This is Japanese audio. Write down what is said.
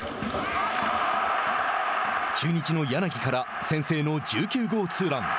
中日の柳から先制の１９号ツーラン。